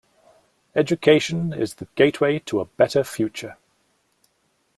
Education is the gateway to a better future.